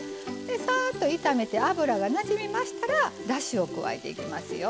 サーッと炒めて油がなじみましたらだしを加えていきますよ